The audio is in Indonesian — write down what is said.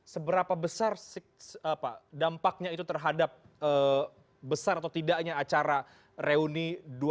seberapa besar dampaknya itu terhadap besar atau tidaknya acara reuni dua ribu dua puluh